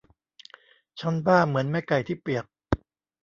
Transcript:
ฉันบ้าเหมือนแม่ไก่ที่เปียก